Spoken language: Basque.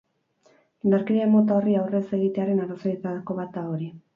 Indarkeria mota horri aurre ez egitearen arrazoietako bat da hori.